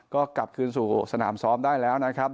ก็กลับคืนสู่สนามซ้อมได้แล้วนะครับ